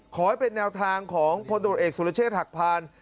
ขอให้เป็นแนวทางของพลตรวจเอกสุรเชษฐ์หักพาน